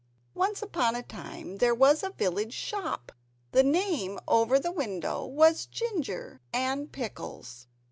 ] Once upon a time there was a village shop. The name over the window was "Ginger and Pickles."